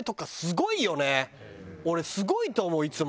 俺すごいと思ういつも。